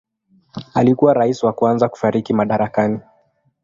Alikuwa rais wa kwanza kufariki madarakani.